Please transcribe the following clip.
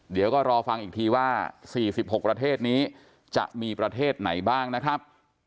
เดี๋ยวก็รอฟังอีกทีว่า๔๖ประเทศนี้จะมีประเทศไหนบ้างนะครับ